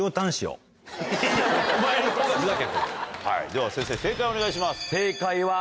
では先生正解をお願いします。